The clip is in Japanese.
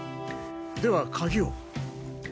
では鍵を。